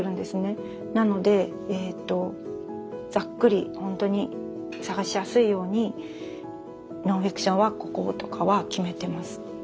ざっくりほんとに探しやすいようにノンフィクションはこことかは決めてます。